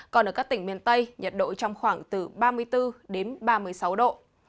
còn ở các tỉnh miền tây nhiệt độ trong khoảng từ ba mươi bốn đến ba mươi sáu độ